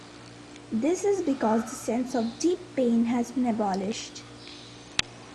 This is because the sense of deep pain has been abolished.